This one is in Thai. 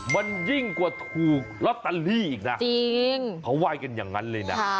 มันยิ่งกว่าถูกแล้วตัลลี่อีกนะเขาไหว้กันอย่างนั้นเลยนะ